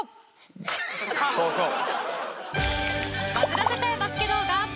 そうそう。